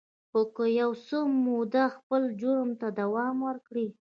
خو که یو څه موده خپل جرم ته دوام ورکړي